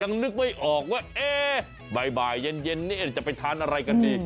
นึกไม่ออกว่าบ่ายเย็นนี่จะไปทานอะไรกันดี